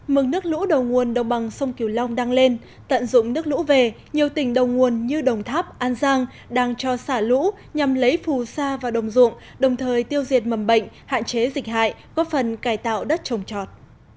mừng nước lũ đầu nguồn đồng bằng sông kiều long đang lên tận dụng nước lũ về nhiều tỉnh đầu nguồn như đồng tháp an giang đang cho xả lũ nhằm lấy phù sa và đồng ruộng đồng thời tiêu diệt mầm bệnh hạn chế dịch hại góp phần cải tạo đất trồng trọt